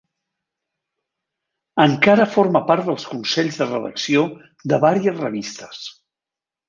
Encara forma part dels consells de redacció de varies revistes.